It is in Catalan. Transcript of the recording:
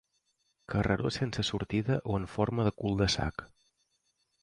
Carreró sense sortida o en forma de cul de sac.